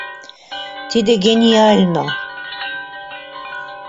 Тиде гениально!